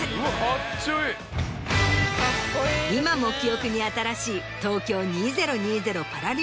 今も記憶に新しい。